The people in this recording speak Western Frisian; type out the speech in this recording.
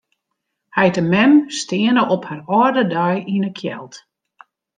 Heit en mem steane op har âlde dei yn 'e kjeld.